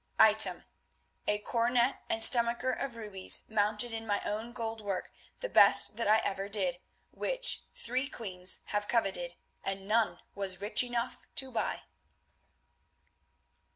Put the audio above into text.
"Item: A coronet and stomacher of rubies mounted in my own gold work, the best that ever I did, which three queens have coveted, and none was rich enough to buy.